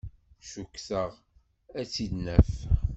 Cukkteɣ ad tt-id-naf.